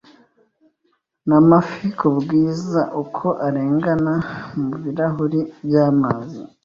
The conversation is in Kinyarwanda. N'amafi kubwiza uko arengana Mubirahuri byamazi